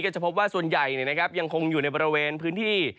ก็จะพบว่าส่วนใหญ่เนี่ยนะครับยังคงอยู่ในบริเวณพื้นที่